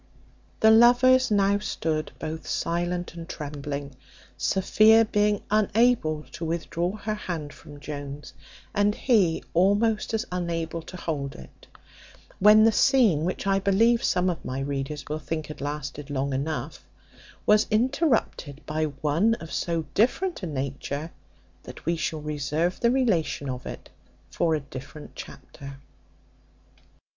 The lovers now stood both silent and trembling, Sophia being unable to withdraw her hand from Jones, and he almost as unable to hold it; when the scene, which I believe some of my readers will think had lasted long enough, was interrupted by one of so different a nature, that we shall reserve the relation of it for a different chapter.